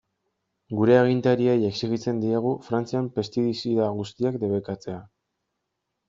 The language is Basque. Gure agintariei exijitzen diegu Frantzian pestizida guztiak debekatzea.